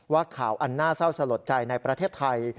ว่าข่าวอันน่าเศร้าสลดใจในประเทศไทย